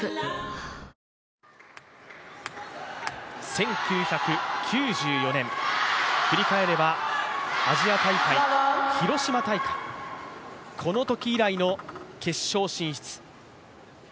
１９９４年、振り返ればアジア大会広島大会、このとき以来の決勝進出。